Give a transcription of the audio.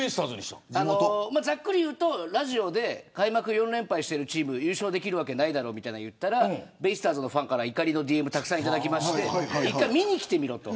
ざっくり言うとラジオで開幕４連敗しているチームが優勝できるわけないだろとみたいなことを言ったらベイスターズのファンから怒りのＤＭをたくさんいただきまして一回見に来てみろと。